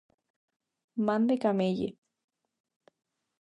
Man de Camelle.